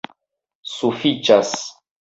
Sufiĉas!